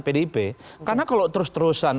karena itu itu adalah hal yang harus diperhatikan